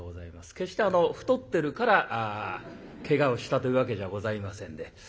決してあの太ってるからけがをしたというわけじゃございませんで。